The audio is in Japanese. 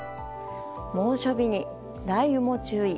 猛暑日に、雷雨も注意。